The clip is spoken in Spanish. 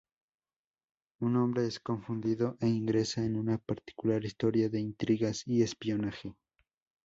Un hombre es confundido e ingresa en una particular historia de intrigas y espionaje.